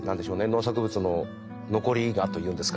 農作物の残り香というんですかね。